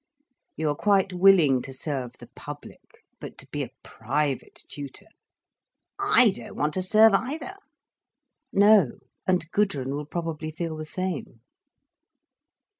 You are quite willing to serve the public—but to be a private tutor—" "I don't want to serve either—" "No! And Gudrun will probably feel the same."